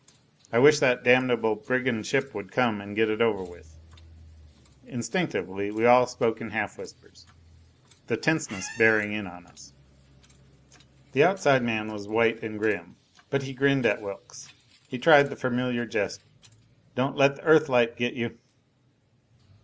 I wish that damnable brigand ship would come and get it over with." Instinctively we all spoke in half whispers, the tenseness bearing in on us. The outside man was white and grim, but he grinned at Wilks. He tried the familiar jest: "Don't let the Earthlight get you!"